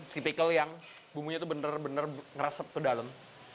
tipikal yang bumbunya itu benar benar ngeresap ke dalam